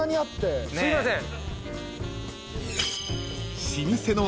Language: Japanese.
すいません。